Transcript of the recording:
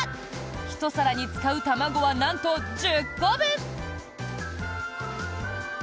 １皿に使う卵はなんと１０個分！